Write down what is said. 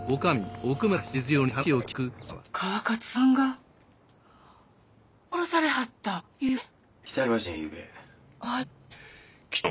川勝さんが殺されはった！？